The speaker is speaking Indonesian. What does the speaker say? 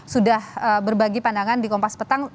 sudah berbagi pandangan di kompas petang